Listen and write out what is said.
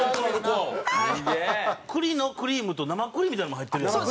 栗のクリームと生クリームみたいなのも入ってるやんか。